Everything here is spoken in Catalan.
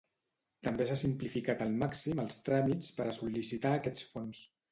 També s'ha simplificat al màxim els tràmits per a sol·licitar aquests fons.